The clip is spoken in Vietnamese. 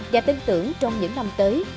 và tin tưởng trong những năm tới